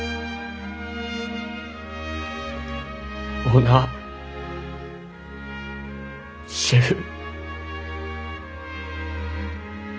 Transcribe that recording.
オーナーシェフ。